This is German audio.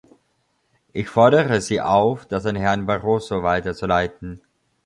Ich fordere Sie auf, das an Herrn Barroso weiterzuleiten.